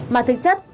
mà thực chất